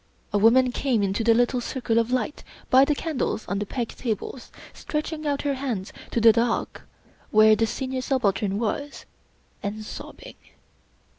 A woman came into the little circle of light by the candles on the peg tables, stretching out her hands to the dark where the Senior Subaltern was, and sobbing.